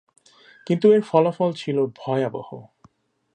কিন্তু এর ফলাফল ছিল ভয়াবহ।